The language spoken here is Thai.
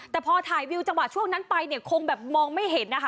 แต่พอถ่ายวิวจังหวะช่วงนั้นไปเนี่ยคงแบบมองไม่เห็นนะคะ